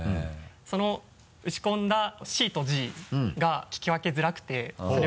その打ち込んだ「Ｃ」と「Ｇ」が聞き分けづらくて。